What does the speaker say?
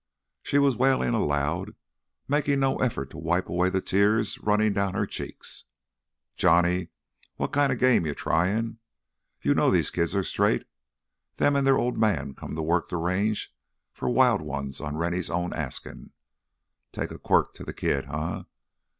She was wailing aloud, making no effort to wipe away the tears running down her cheeks. "Johnny, what kinda game you tryin'? You know these kids are straight; them an' their ol' man's come to work th' Range for wild ones on Rennie's own askin'. Takin' a quirt to th' kid, eh?"